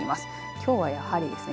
きょうは、やはりですね